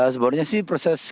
sebenarnya sih prosesnya